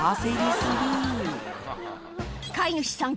過ぎ飼い主さん